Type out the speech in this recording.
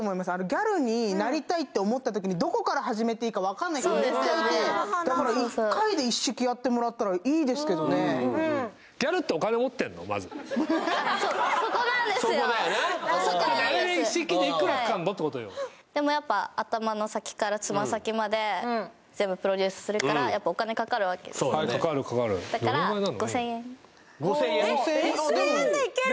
ギャルになりたいって思ったときにだから１回で一式やってもらったらいいですけどねあっそうそこなんですそこなんですあれ一式でいくらかかんのってことよでもやっぱ頭の先からつま先まで全部プロデュースするからやっぱお金かかるわけですよだからえっ５０００円でいける？